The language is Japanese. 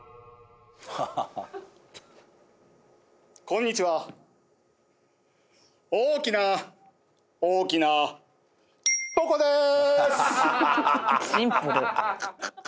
こんにちは大きな大きなポコです！